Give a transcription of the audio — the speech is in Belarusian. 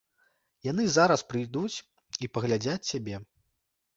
Яны зараз прыйдуць і паглядзяць цябе.